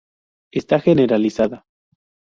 Está generalizada.